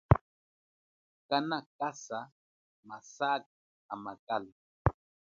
Kana kasa masaka amakala.